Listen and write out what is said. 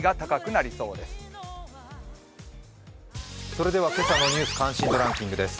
それでは今朝の「ニュース関心度ランキング」です。